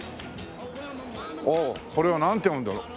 あっこれはなんて読むんだろう？